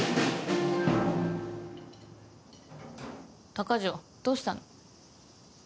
高城どうしたの？